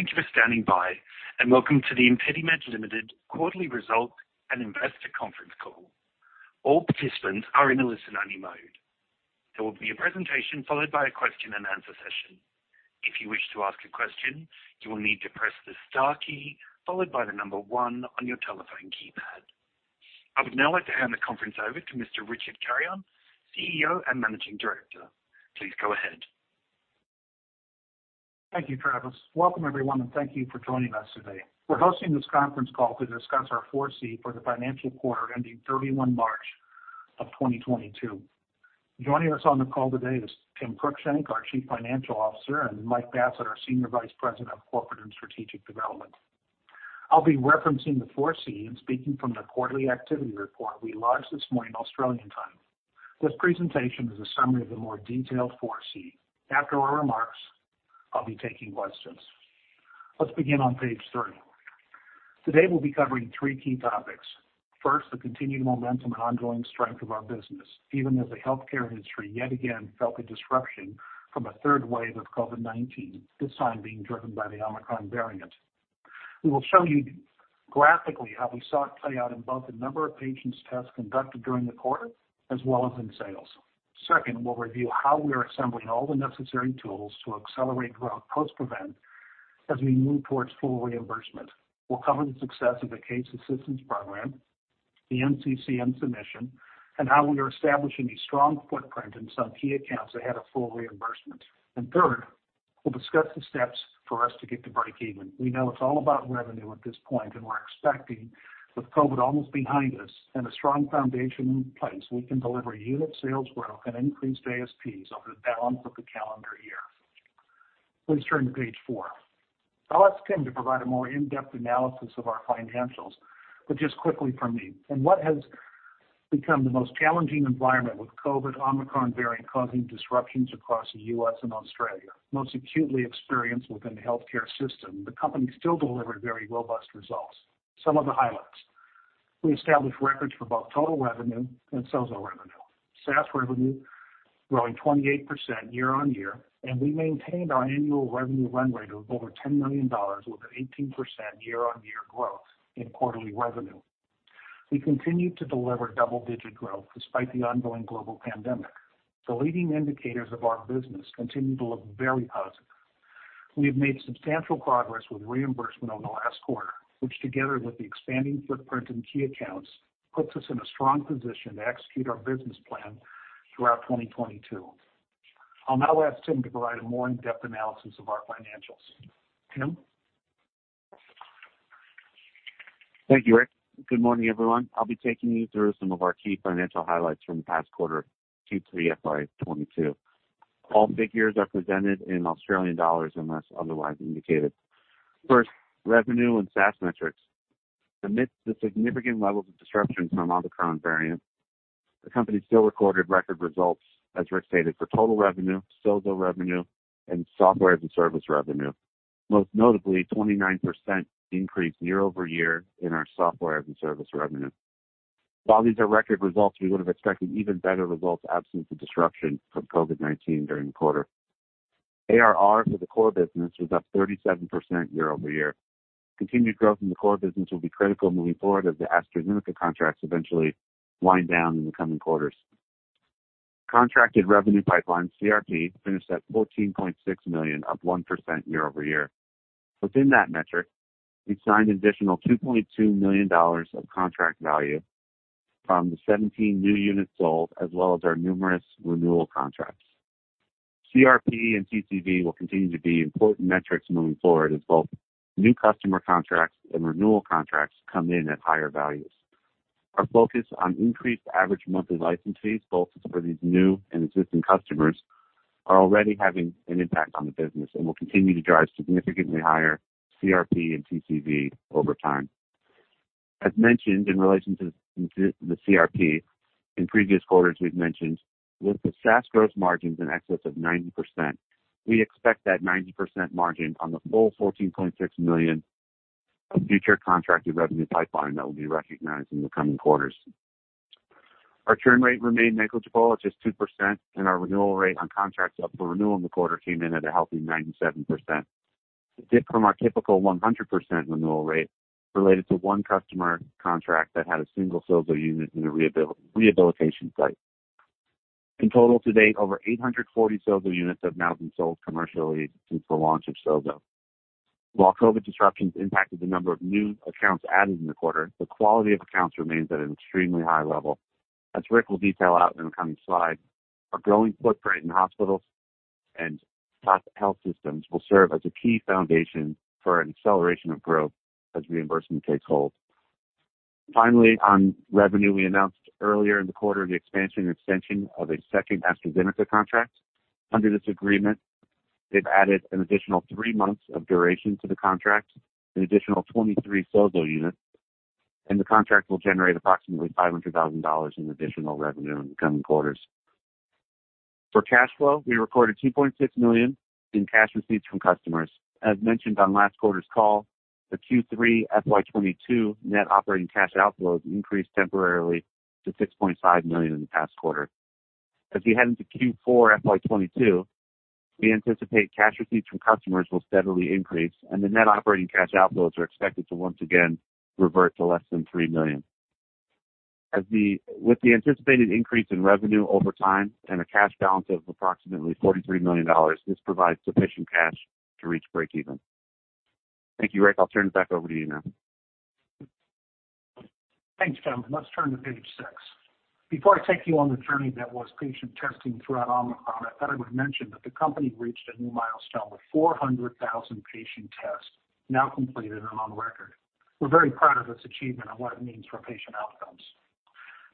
Thank you for standing by, and welcome to the ImpediMed Limited quarterly result and investor conference call. All participants are in a listen-only mode. There will be a presentation followed by a question-and-answer session. If you wish to ask a question, you will need to press the star key followed by the number one on your telephone keypad. I would now like to hand the conference over to Mr. Richard Carreon, CEO and Managing Director. Please go ahead. Thank you, Travis. Welcome, everyone, and thank you for joining us today. We're hosting this conference call to discuss our 4C for the financial quarter ending March 31 2022. Joining us on the call today is Timothy Cruickshank, our Chief Financial Officer, and Michael Bassett, our Senior Vice President of Corporate and Strategic Development. I'll be referencing the 4C and speaking from the quarterly activity report we launched this morning, Australian time. This presentation is a summary of the more detailed 4C. After our remarks, I'll be taking questions. Let's begin on page three. Today, we'll be covering three key topics. First, the continued momentum and ongoing strength of our business, even as the healthcare industry yet again felt a disruption from a third wave of COVID-19, this time being driven by the Omicron variant. We will show you graphically how we saw it play out in both the number of patients tests conducted during the quarter as well as in sales. Second, we'll review how we are assembling all the necessary tools to accelerate growth post-PREVENT as we move towards full reimbursement. We'll cover the success of the case assistance program, the NCCN submission, and how we are establishing a strong footprint in some key accounts ahead of full reimbursement. Third, we'll discuss the steps for us to get to breakeven. We know it's all about revenue at this point, and we're expecting with COVID almost behind us and a strong foundation in place, we can deliver unit sales growth and increased ASPs over the balance of the calendar year. Please turn to page four. I'll ask Tim to provide a more in-depth analysis of our financials, but just quickly from me. In what has become the most challenging environment with COVID Omicron variant causing disruptions across the U.S. and Australia, most acutely experienced within the healthcare system, the company still delivered very robust results. Some of the highlights. We established records for both total revenue and SOZO revenue. SaaS revenue growing 28% year-on-year, and we maintained our annual revenue run rate of over 10 million dollars with an 18% year-on-year growth in quarterly revenue. We continued to deliver double-digit growth despite the ongoing global pandemic. The leading indicators of our business continue to look very positive. We have made substantial progress with reimbursement over the last quarter, which together with the expanding footprint in key accounts, puts us in a strong position to execute our business plan throughout 2022. I'll now ask Tim to provide a more in-depth analysis of our financials. Tim. Thank you, Rick. Good morning, everyone. I'll be taking you through some of our key financial highlights from the past quarter, Q3 FY22. All figures are presented in Australian dollars unless otherwise indicated. First, revenue and SaaS metrics. Amidst the significant levels of disruption from Omicron variant, the company still recorded record results, as Rick stated, for total revenue, SOZO revenue, and software as a service revenue. Most notably, 29% increase year-over-year in our software as a service revenue. While these are record results, we would have expected even better results absent the disruption from COVID-19 during the quarter. ARR for the core business was up 37% year-over-year. Continued growth in the core business will be critical moving forward as the AstraZeneca contracts eventually wind down in the coming quarters. Contracted revenue pipeline, CRP, finished at 14.6 million, up 1% year-over-year. Within that metric, we've signed an additional 2.2 million dollars of contract value from the 17 new units sold as well as our numerous renewal contracts. CRP and TCV will continue to be important metrics moving forward as both new customer contracts and renewal contracts come in at higher values. Our focus on increased average monthly license fees, both for these new and existing customers, are already having an impact on the business and will continue to drive significantly higher CRP and TCV over time. As mentioned in relation to the CRP, in previous quarters we've mentioned with the SaaS gross margins in excess of 90%, we expect that 90% margin on the full 14.6 million of future contracted revenue pipeline that will be recognized in the coming quarters. Our churn rate remained negligible at just 2%, and our renewal rate on contracts up for renewal in the quarter came in at a healthy 97%. The dip from our typical 100% renewal rate related to one customer contract that had a single SOZO unit in a rehabilitation site. In total, to date, over 840 SOZO units have now been sold commercially since the launch of SOZO. While COVID disruptions impacted the number of new accounts added in the quarter, the quality of accounts remains at an extremely high level. As Richard will detail out in the coming slide, our growing footprint in hospitals and pro-health systems will serve as a key foundation for an acceleration of growth as reimbursement takes hold. Finally, on revenue, we announced earlier in the quarter the expansion and extension of a second AstraZeneca contract. Under this agreement, they've added an additional three months of duration to the contract, an additional 23 SOZO units, and the contract will generate approximately $500,000 in additional revenue in the coming quarters. For cash flow, we recorded 2.6 million in cash receipts from customers. As mentioned on last quarter's call, the Q3 FY22 net operating cash outflows increased temporarily to 6.5 million in the past quarter. With the anticipated increase in revenue over time and a cash balance of approximately 43 million dollars, this provides sufficient cash to reach breakeven. Thank you, Rick. I'll turn it back over to you now. Thanks, Tim. Let's turn to page six. Before I take you on the journey that was patient testing throughout Omicron, I thought I would mention that the company reached a new milestone with 400,000 patient tests now completed and on record. We're very proud of this achievement and what it means for patient outcomes.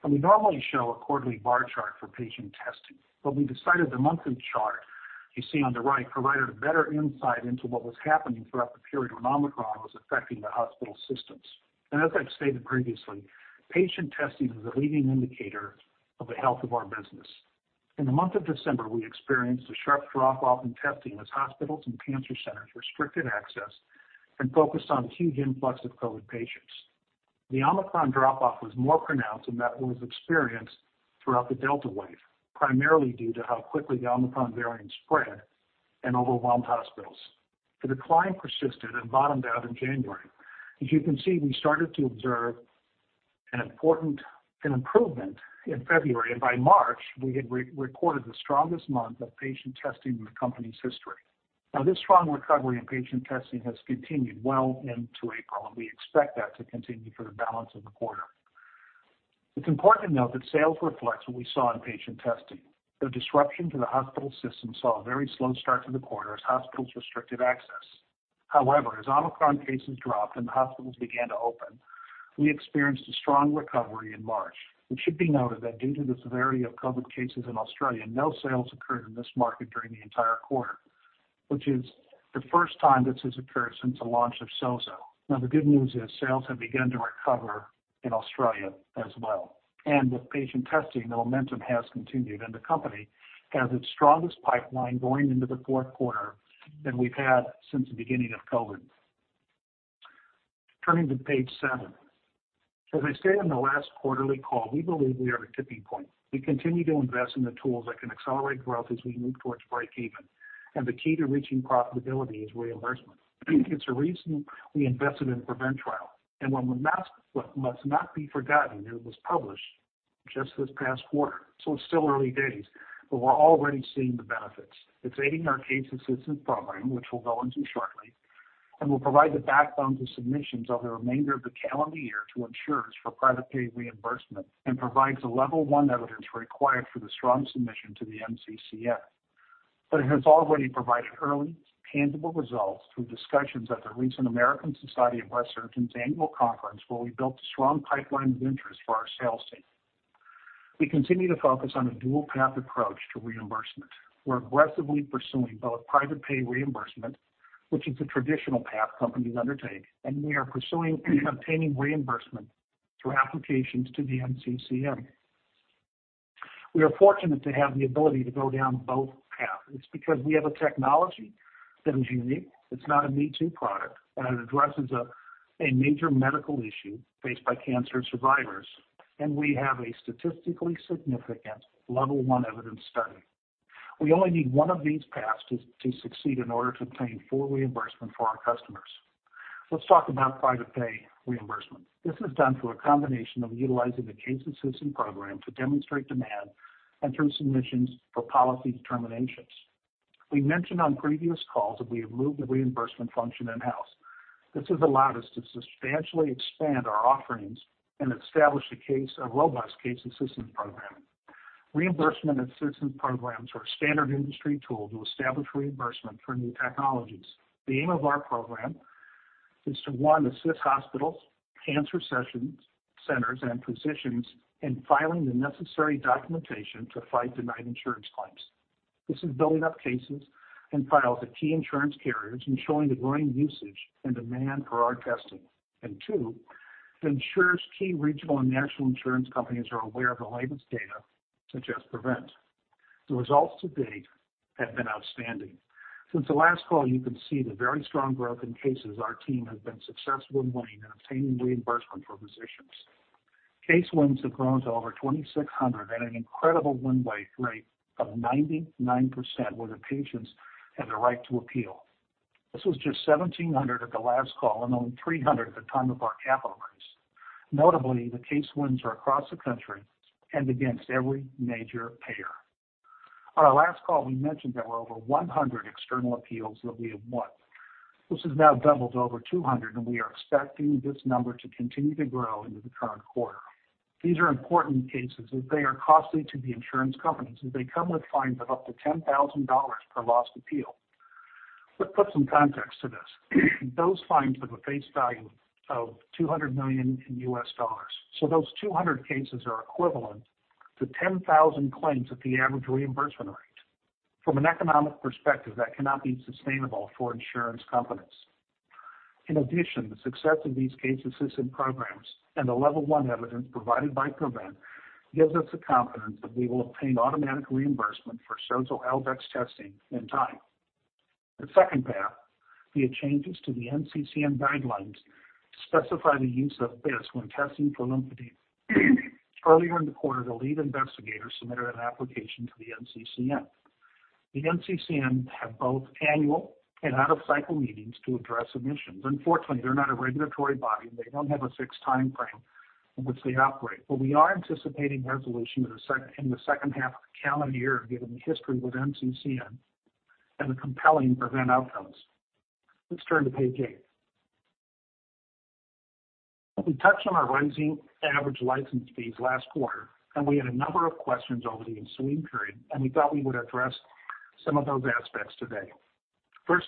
We normally show a quarterly bar chart for patient testing, but we decided the monthly chart you see on the right provided a better insight into what was happening throughout the period when Omicron was affecting the hospital systems. As I've stated previously, patient testing is a leading indicator of the health of our business. In the month of December, we experienced a sharp drop-off in testing as hospitals and cancer centers restricted access and focused on the huge influx of COVID patients. The Omicron drop-off was more pronounced than that was experienced throughout the Delta wave, primarily due to how quickly the Omicron variant spread and overwhelmed hospitals. The decline persisted and bottomed out in January. As you can see, we started to observe an improvement in February, and by March, we had re-recorded the strongest month of patient testing in the company's history. Now this strong recovery in patient testing has continued well into April, and we expect that to continue for the balance of the quarter. It's important to note that sales reflects what we saw in patient testing. The disruption to the hospital system saw a very slow start to the quarter as hospitals restricted access. However, as Omicron cases dropped and the hospitals began to open, we experienced a strong recovery in March. It should be noted that due to the severity of COVID cases in Australia, no sales occurred in this market during the entire quarter, which is the first time this has occurred since the launch of SOZO. Now the good news is sales have begun to recover in Australia as well. With patient testing, the momentum has continued, and the company has its strongest pipeline going into the fourth quarter than we've had since the beginning of COVID. Turning to page seven. As I stated on the last quarterly call, we believe we are at a tipping point. We continue to invest in the tools that can accelerate growth as we move towards breakeven, and the key to reaching profitability is reimbursement. It's the reason we invested in the PREVENT trial. Must not be forgotten, it was published just this past quarter, so it's still early days, but we're already seeing the benefits. It's aiding our case assistance program, which we'll go into shortly, and will provide the backbone to submissions over the remainder of the calendar year to insurers for private pay reimbursement and provides a level one evidence required for the strong submission to the NCCN. It has already provided early tangible results through discussions at the recent American Society of Breast Surgeons annual conference, where we built a strong pipeline of interest for our sales team. We continue to focus on a dual path approach to reimbursement. We're aggressively pursuing both private pay reimbursement, which is the traditional path companies undertake, and we are pursuing obtaining reimbursement through applications to the CMS. We are fortunate to have the ability to go down both paths because we have a technology that is unique. It's not a me-too product, and it addresses a major medical issue faced by cancer survivors, and we have a statistically significant level one evidence study. We only need one of these paths to succeed in order to obtain full reimbursement for our customers. Let's talk about private pay reimbursement. This is done through a combination of utilizing the case assistance program to demonstrate demand and through submissions for policy determinations. We mentioned on previous calls that we have moved the reimbursement function in-house. This has allowed us to substantially expand our offerings and establish a robust case assistance program. Reimbursement assistance programs are a standard industry tool to establish reimbursement for new technologies. The aim of our program is to, one, assist hospitals, centers, and physicians in filing the necessary documentation to fight denied insurance claims. This is building up cases and files at key insurance carriers and showing the growing usage and demand for our testing. Two, ensures key regional and national insurance companies are aware of the latest data, such as PREVENT. The results to date have been outstanding. Since the last call, you can see the very strong growth in cases our team has been successful in winning and obtaining reimbursement for physicians. Case wins have grown to over 2,600 at an incredible win rate of 99% where the patients had the right to appeal. This was just 1,700 at the last call and only 300 at the time of our capital raise. Notably, the case wins are across the country and against every major payer. On our last call, we mentioned there were over 100 external appeals that we have won. This has now doubled to over 200, and we are expecting this number to continue to grow into the current quarter. These are important cases as they are costly to the insurance companies, and they come with fines of up to $10,000 per lost appeal. Let's put some context to this. Those fines have a face value of $200 million. Those 200 cases are equivalent to 10,000 claims at the average reimbursement rate. From an economic perspective, that cannot be sustainable for insurance companies. In addition, the success of these case assistance programs and the level one evidence provided by PREVENT gives us the confidence that we will obtain automatic reimbursement for SOZO L-Dex testing in time. The second path via changes to the NCCN guidelines specify the use of this when testing for lymphedema. Earlier in the quarter, the lead investigator submitted an application to the NCCN. The NCCN have both annual and out-of-cycle meetings to address submissions. Unfortunately, they're not a regulatory body, and they don't have a fixed time frame in which they operate. We are anticipating resolution in the second half of the calendar year, given the history with NCCN and the compelling PREVENT outcomes. Let's turn to page eight. We touched on our rising average license fees last quarter, and we had a number of questions over the ensuing period, and we thought we would address some of those aspects today. First,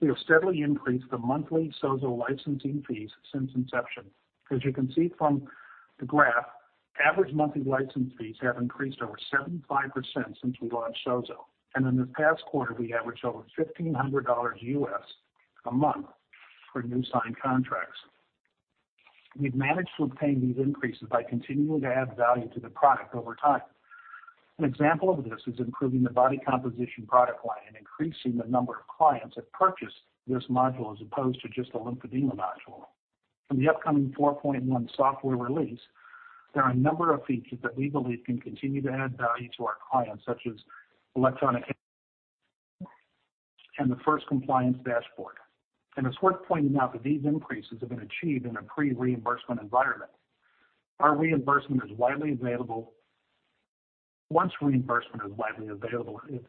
we have steadily increased the monthly SOZO licensing fees since inception. As you can see from the graph, average monthly license fees have increased over 75% since we launched SOZO, and in this past quarter, we averaged over $1,500 a month for new signed contracts. We've managed to obtain these increases by continuing to add value to the product over time. An example of this is improving the body composition product line and increasing the number of clients that purchase this module as opposed to just a lymphedema module. In the upcoming 4.1 software release, there are a number of features that we believe can continue to add value to our clients, such as electronic and the first compliance dashboard. It's worth pointing out that these increases have been achieved in a pre-reimbursement environment. Our reimbursement is widely available. Once reimbursement is widely available, it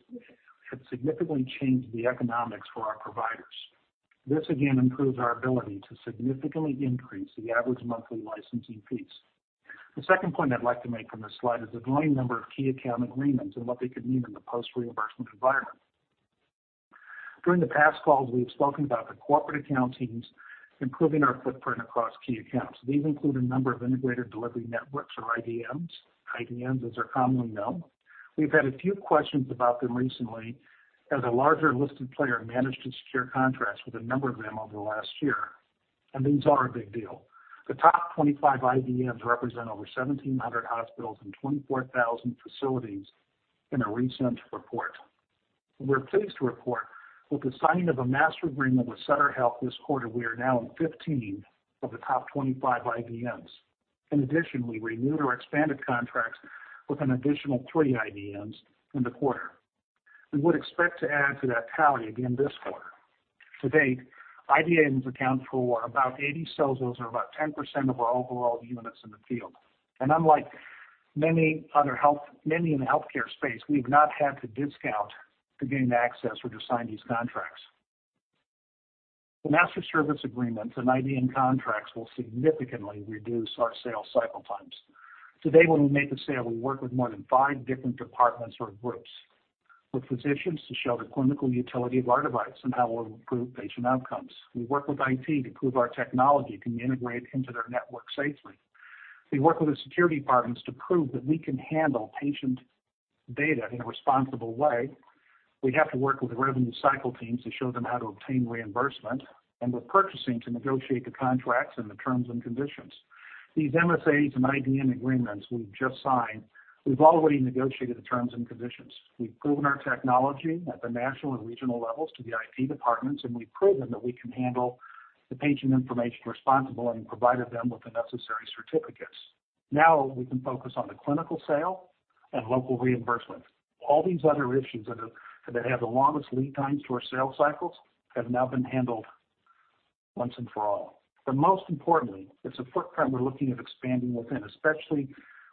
significantly changed the economics for our providers. This again improves our ability to significantly increase the average monthly licensing fees. The second point I'd like to make on this slide is the growing number of key account agreements and what they could mean in the post-reimbursement environment. During the past calls, we have spoken about the corporate account teams improving our footprint across key accounts. These include a number of integrated delivery networks or IDNs, as they're commonly known. We've had a few questions about them recently as a larger listed player managed to secure contracts with a number of them over the last year, and these are a big deal. The top 25 IDNs represent over 1,700 hospitals and 24,000 facilities in a recent report. We're pleased to report with the signing of a master agreement with Sutter Health this quarter we are now in 15 of the top 25 IDNs. In addition, we renewed or expanded contracts with an additional 3 IDNs in the quarter. We would expect to add to that tally again this quarter. To date, IDNs account for about 80 SOZOs or about 10% of our overall units in the field. Unlike many other many in the healthcare space, we've not had to discount to gain access or to sign these contracts. The master service agreements and IDN contracts will significantly reduce our sales cycle times. Today, when we make a sale, we work with more than five different departments or groups. With physicians to show the clinical utility of our device and how it will improve patient outcomes. We work with IT to prove our technology can integrate into their network safely. We work with the security departments to prove that we can handle patient data in a responsible way. We have to work with the revenue cycle teams to show them how to obtain reimbursement and with purchasing to negotiate the contracts and the terms and conditions. These MSAs and IDN agreements we've just signed. We've already negotiated the terms and conditions. We've proven our technology at the national and regional levels to the IT departments, and we've proven that we can handle the patient information responsibly and provided them with the necessary certificates. Now we can focus on the clinical sales and local reimbursement. All these other issues that had the longest lead times to our sales cycles have now been handled once and for all. Most importantly, it's a footprint we're looking at expanding within, especially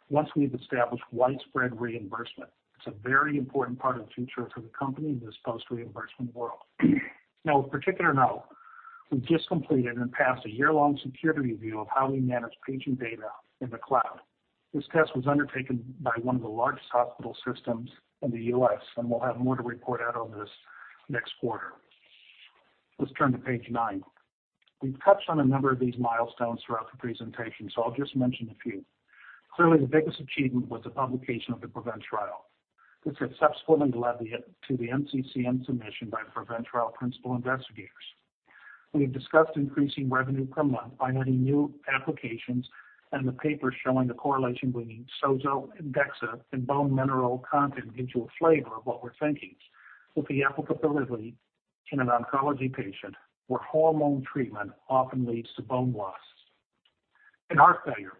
once we've established widespread reimbursement. It's a very important part of the future for the company in this post-reimbursement world. Now of particular note, we just completed and passed a year-long security review of how we manage patient data in the cloud. This test was undertaken by one of the largest hospital systems in the U.S., and we'll have more to report out on this next quarter. Let's turn to page nine. We've touched on a number of these milestones throughout the presentation, so I'll just mention a few. Clearly, the biggest achievement was the publication of the PREVENT trial, which subsequently led to the NCCN submission by the PREVENT trial principal investigators. We have discussed increasing revenue per month by adding new applications, and the paper showing the correlation between SOZO and DEXA and bone mineral content gives you a flavor of what we're thinking with the applicability in an oncology patient where hormone treatment often leads to bone loss. In heart failure,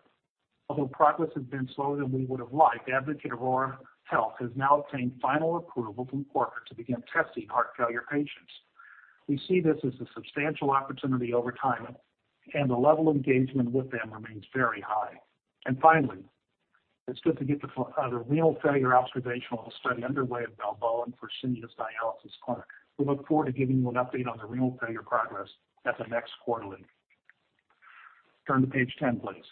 although progress has been slower than we would have liked, Advocate Aurora Health has now obtained final approval from the IRB to begin testing heart failure patients. We see this as a substantial opportunity over time, and the level of engagement with them remains very high. Finally, it's good to get the renal failure observational study underway at Balboa and Fresenius dialysis clinic. We look forward to giving you an update on the renal failure progress at the next quarterly. Turn to page 10, please.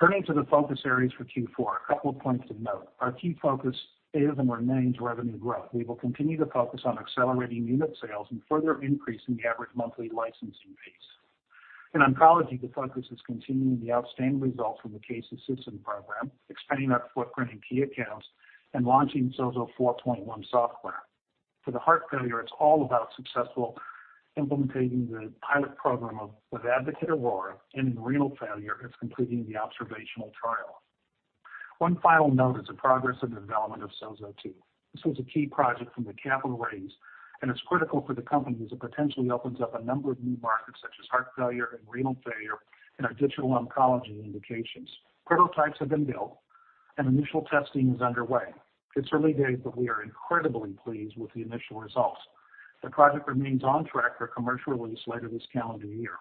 Turning to the focus areas for Q4, a couple of points of note. Our key focus is and remains revenue growth. We will continue to focus on accelerating unit sales and further increasing the average monthly licensing fees. In oncology, the focus is continuing the outstanding results from the cases system program, expanding our footprint in key accounts, and launching SOZO 4.1 software. For the heart failure, it's all about successfully implementing the pilot program with Advocate Aurora Health, and in renal failure, it's completing the observational trial. One final note is the progress and development of SOZO 2. This was a key project from the capital raise, and it's critical for the company as it potentially opens up a number of new markets, such as heart failure and renal failure in additional oncology indications. Prototypes have been built and initial testing is underway. It's early days, but we are incredibly pleased with the initial results. The project remains on track for commercial release later this calendar year.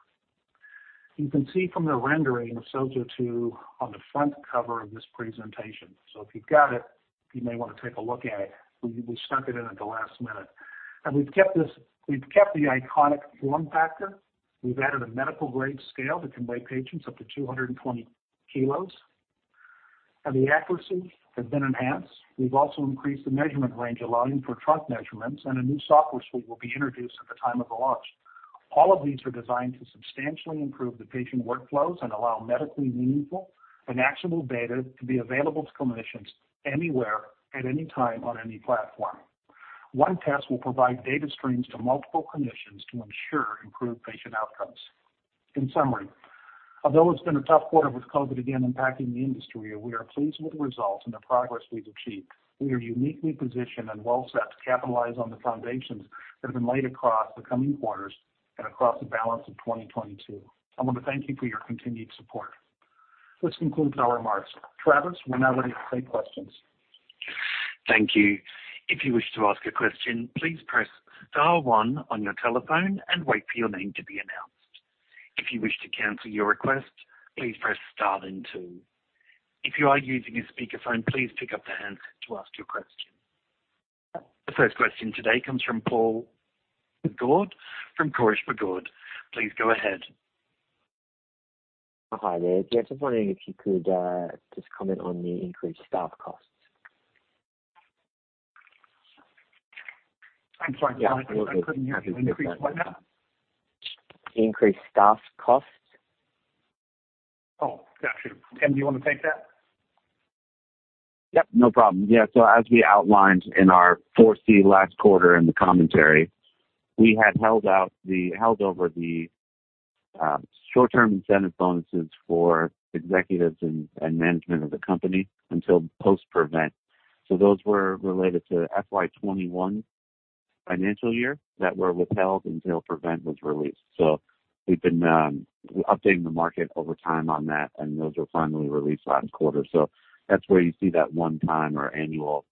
You can see from the rendering of SOZO 2 on the front cover of this presentation. So if you've got it, you may want to take a look at it. We stuck it in at the last minute. We've kept the iconic form factor. We've added a medical-grade scale that can weigh patients up to 220 kg, and the accuracy has been enhanced. We've also increased the measurement range, allowing for trunk measurements, and a new software suite will be introduced at the time of the launch. All of these are designed to substantially improve the patient workflows and allow medically meaningful and actionable data to be available to clinicians anywhere, at any time on any platform. One test will provide data streams to multiple clinicians to ensure improved patient outcomes. In summary, although it's been a tough quarter with COVID again impacting the industry, we are pleased with the results and the progress we've achieved. We are uniquely positioned and well set to capitalize on the foundations that have been laid across the coming quarters and across the balance of 2022. I want to thank you for your continued support. This concludes my remarks. Travis, we're now ready to take questions. Thank you. If you wish to ask a question, please press star one on your telephone and wait for your name to be announced. If you wish to cancel your request, please press star then two. If you are using a speakerphone, please pick up the handset to ask your question. The first question today comes from Paul McCord from Canaccord Genuity. Please go ahead. Hi there. Just wondering if you could, just comment on the increased staff costs. I'm sorry. I couldn't hear. Increased what now? Increased staff costs. Oh, got you. Tim, do you want to take that? Yep, no problem. Yeah. As we outlined in our 4C last quarter in the commentary, we had held over the short-term incentive bonuses for executives and management of the company until post-PREVENT. Those were related to FY 2021 financial year that were withheld until PREVENT was released. We've been updating the market over time on that, and those were finally released last quarter. That's where you see that one time or annual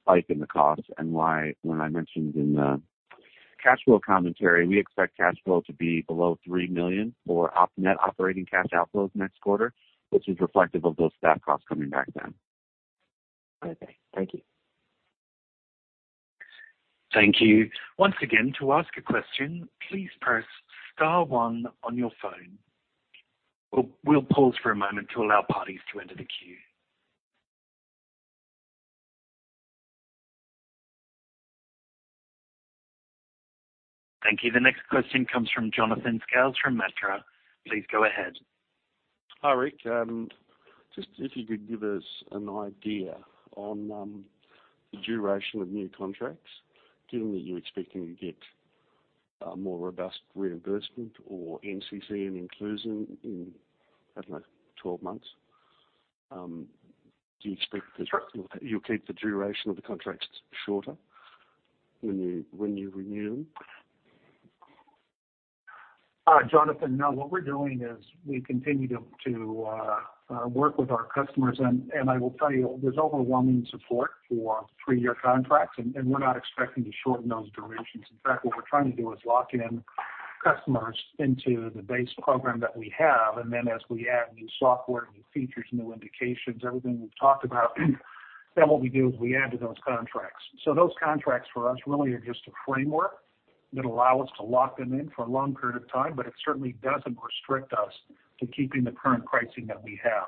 spike in the costs. Why when I mentioned in the cash flow commentary, we expect cash flow to be below 3 million for net operating cash outflows next quarter, which is reflective of those staff costs coming back down. Okay. Thank you. Thank you. Once again, to ask a question, please press star one on your phone. We'll pause for a moment to allow parties to enter the queue. Thank you. The next question comes from Jonathan Scales from Morgans. Please go ahead. Hi, Rick. Just if you could give us an idea on the duration of new contracts, given that you're expecting to get a more robust reimbursement or NCCN inclusion in, I don't know, 12 months, do you expect that? Sure. You'll keep the duration of the contracts shorter when you renew? Jonathan. No. What we're doing is we continue to work with our customers. I will tell you, there's overwhelming support for three-year contracts, and we're not expecting to shorten those durations. In fact, what we're trying to do is lock in customers into the base program that we have, and then as we add new software, new features, new indications, everything we've talked about, then what we do is we add to those contracts. Those contracts for us really are just a framework that allow us to lock them in for a long period of time. It certainly doesn't restrict us to keeping the current pricing that we have.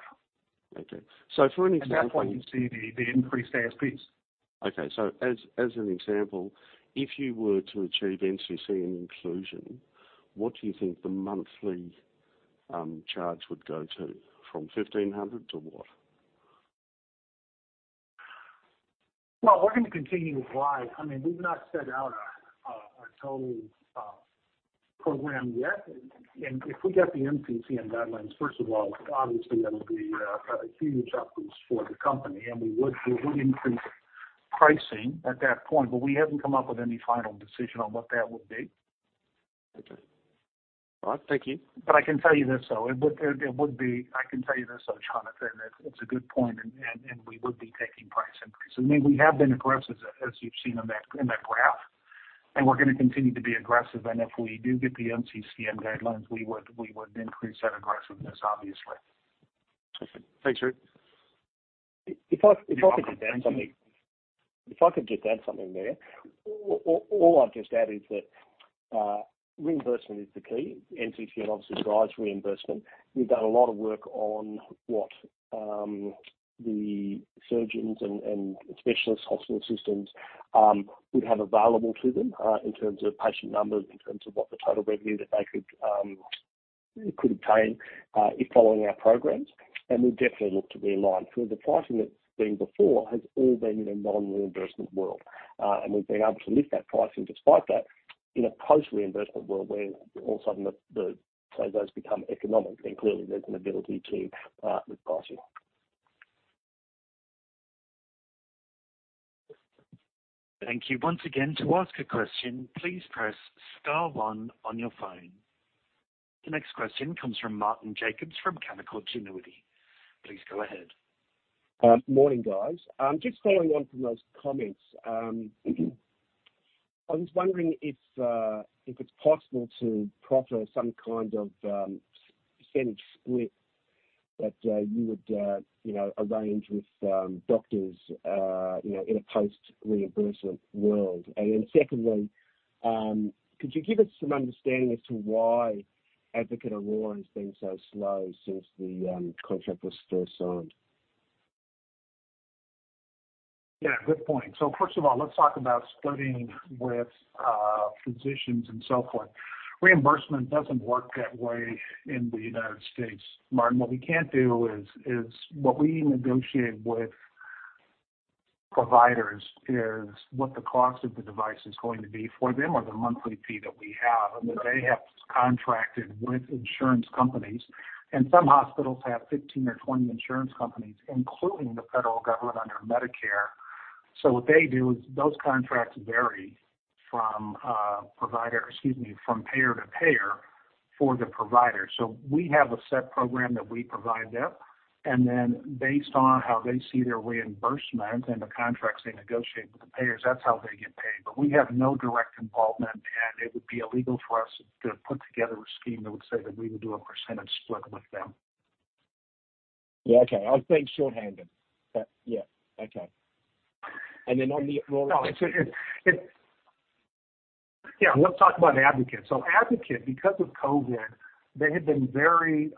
Okay. For example. That's why you see the increased ASPs. As an example, if you were to achieve NCCN inclusion, what do you think the monthly charge would go to, from 1,500 to what? Well, we're going to continue to apply. I mean, we've not set out a total program yet. If we get the NCCN guidelines, first of all, obviously that'll be a huge uplift for the company, and we would increase pricing at that point, but we haven't come up with any final decision on what that would be. Okay. All right. Thank you. I can tell you this, though, Jonathan. It's a good point, and we would be taking price increases. I mean, we have been aggressive, as you've seen in that graph, and we're going to continue to be aggressive. If we do get the NCCN guidelines, we would increase that aggressiveness, obviously. Okay. Thanks, Rick. If I could just add something. Thank you. If I could just add something there. I'd just add is that reimbursement is the key. NCCN obviously drives reimbursement. We've done a lot of work on what the surgeons and specialists, hospital systems would have available to them in terms of patient numbers, in terms of what the total revenue that they could obtain if following our programs. We definitely look to be aligned. The pricing that's been before has all been in a non-reimbursement world, and we've been able to lift that pricing despite that. In a post-reimbursement world where all of a sudden the SOZO's become economic, then clearly there's an ability to with pricing. Thank you. Once again, to ask a question, please press star one on your phone. The next question comes from Martyn Jacobs from Canaccord Genuity. Please go ahead. Morning, guys. Just following on from those comments. I was wondering if it's possible to proffer some kind of percentage split that you would, you know, arrange with doctors, you know, in a post-reimbursement world. Secondly, could you give us some understanding as to why Advocate Aurora has been so slow since the contract was first signed? Yeah, good point. First of all, let's talk about splitting with physicians and so forth. Reimbursement doesn't work that way in the United States, Martyn. What we can't do is what we negotiate with providers is what the cost of the device is going to be for them, or the monthly fee that we have. Then they have contracted with insurance companies, and some hospitals have 15 or 20 insurance companies, including the federal government under Medicare. What they do is those contracts vary from payer to payer for the provider. We have a set program that we provide them, and then based on how they see their reimbursement and the contracts they negotiate with the payers, that's how they get paid. We have no direct involvement, and it would be illegal for us to put together a scheme that would say that we would do a percentage split with them. Yeah, okay. I was thinking shorthand, then. Yeah, okay. On the Aurora. Yeah, let's talk about Advocate Aurora Health. Advocate Aurora Health, because of COVID, they had been very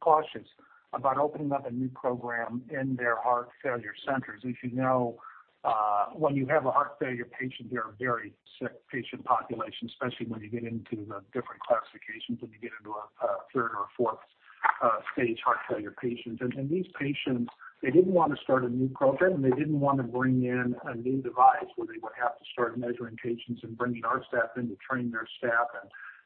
cautious about opening up a new program in their heart failure centers. As you know, when you have a heart failure patient, they are a very sick patient population, especially when you get into the different classifications, when you get into a third or a fourth stage heart failure patients. These patients, they didn't wanna start a new program, and they didn't wanna bring in a new device where they would have to start measuring patients and bringing our staff in to train their staff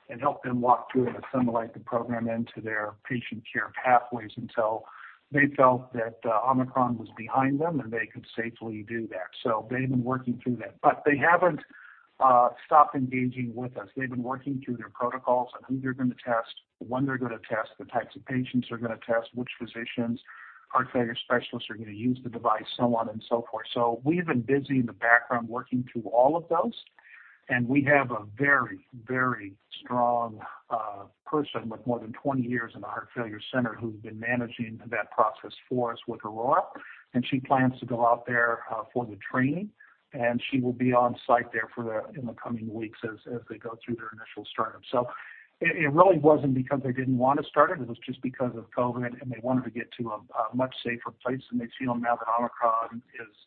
and help them walk through and assimilate the program into their patient care pathways until they felt that Omicron was behind them and they could safely do that. They've been working through that. They haven't stopped engaging with us. They've been working through their protocols on who they're gonna test, when they're gonna test, the types of patients they're gonna test, which physicians, heart failure specialists are gonna use the device, so on and so forth. So we've been busy in the background working through all of those, and we have a very, very strong person with more than 20 years in the heart failure center who's been managing that process for us with Aurora. She plans to go out there for the training, and she will be on site there in the coming weeks as they go through their initial startup. So it really wasn't because they didn't wanna start it was just because of COVID, and they wanted to get to a much safer place. They feel now that Omicron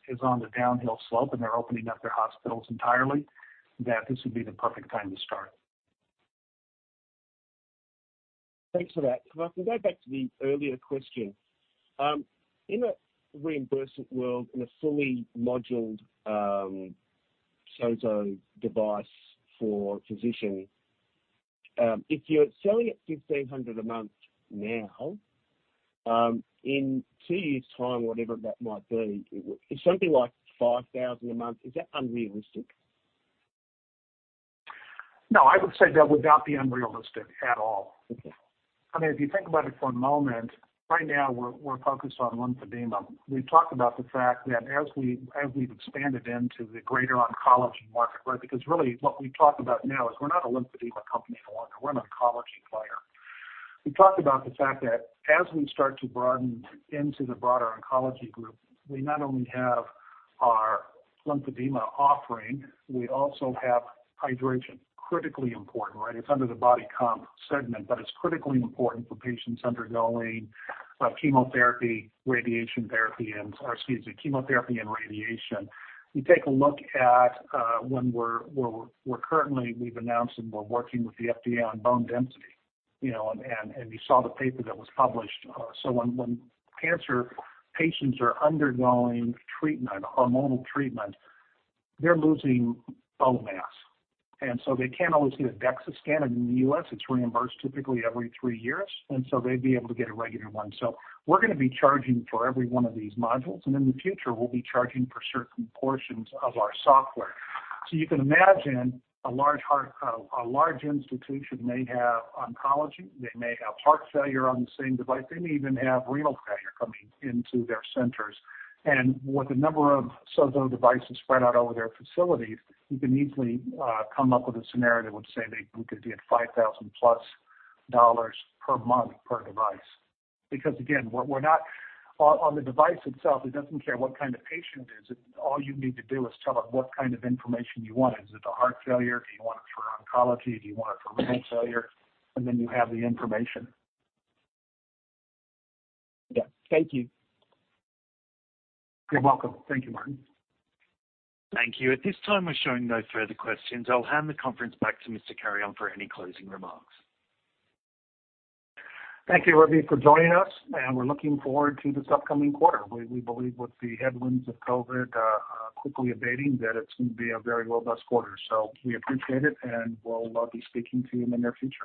is on the downhill slope and they're opening up their hospitals entirely, that this would be the perfect time to start. Thanks for that. Can I go back to the earlier question? In a reimbursement world, in a fully modular SOZO device for physician, if you're selling at 1,500 a month now, in two years' time, whatever that might be, if something like 5,000 a month, is that unrealistic? No, I would say that would not be unrealistic at all. Okay. I mean, if you think about it for a moment, right now we're focused on lymphedema. We've talked about the fact that as we've expanded into the greater oncology market, right? Because really what we talk about now is we're not a lymphedema company any longer. We're an oncology player. We talked about the fact that as we start to broaden into the broader oncology group, we not only have our lymphedema offering, we also have hydration. Critically important, right? It's under the body comp segment, but it's critically important for patients undergoing chemotherapy and radiation. You take a look at what we're currently, we've announced and we're working with the FDA on bone density, and you saw the paper that was published. When cancer patients are undergoing treatment, hormonal treatment, they're losing bone mass, and they can't always get a DEXA scan. In the U.S., it's reimbursed typically every three years, and they'd be able to get a regular one. We're gonna be charging for every one of these modules, and in the future we'll be charging for certain portions of our software. You can imagine a large health institution may have oncology, they may have heart failure on the same device. They may even have renal failure coming into their centers. With the number of SOZO devices spread out over their facilities, you can easily come up with a scenario that would say they, we could be at $5,000+ per month per device. Because again, we're not... On the device itself, it doesn't care what kind of patient it is. All you need to do is tell it what kind of information you want. Is it a heart failure? Do you want it for oncology? Do you want it for renal failure? Then you have the information. Yeah. Thank you. You're welcome. Thank you, Martyn. Thank you. At this time, we're showing no further questions. I'll hand the conference back to Mr. Carreon for any closing remarks. Thank you everybody for joining us, and we're looking forward to this upcoming quarter. We believe with the headwinds of COVID quickly abating, that it's going to be a very robust quarter. We appreciate it, and we'll be speaking to you in the near future.